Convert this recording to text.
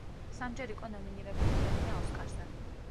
სამჯერ იყო ნომინირებული პრემია ოსკარზე.